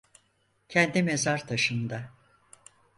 Kendi mezar taşında.